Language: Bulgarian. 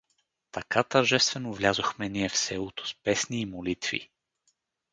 Така тържествено влязахме ние в селото с песни и молитви.